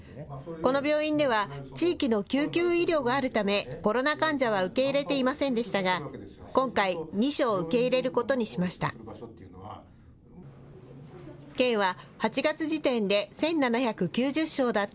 この病院では地域の救急医療があるため、コロナ患者は受け入れていませんでしたが、今回、２床受け入れることにしました。